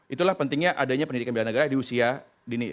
itulah pentingnya adanya pendidikan kewarganegaraan di usia dini